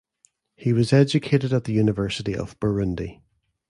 He was educated at the University of Burundi.